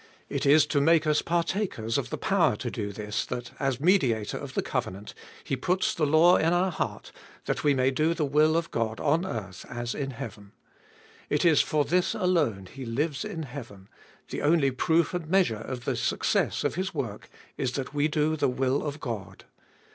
It is to make us partakers of the power to do this, that, as Mediator of the covenant, He puts the law in our heart, that we may do the will of God on earth as in heaven. It is for this alone He lives in heaven : the only proof and measure of the success of His work is that we do the will of God.